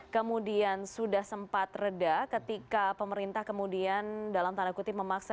kemudian sudah sempat reda ketika pemerintah kemudian dalam tanda kutip memaksa